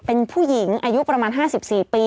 เป็นผู้หญิงอายุประมาณ๕๔ปี